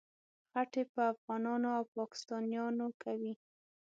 خټې په افغانانو او پاکستانیانو کوي.